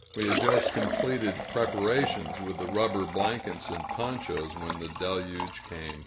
We had just completed preparations with the rubber blankets and ponchos, when the deluge came.